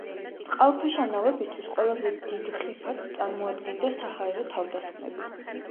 წყალქვეშა ნავებისთვის ყველაზე დიდ ხიფათს წარმოადგენდა საჰაერო თავდასხმები.